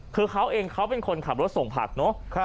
คือเขาเองเขาเป็นคนขับรถส่งผักเนอะ